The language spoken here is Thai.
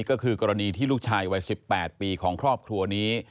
ก็คือกรณีที่ลูกชายวัย๑๘ปีของครอบครัวนี้